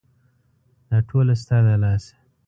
دا ټوله ستا د لاسه !